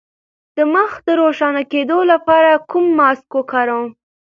د مخ د روښانه کیدو لپاره کوم ماسک وکاروم؟